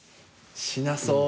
しなそう！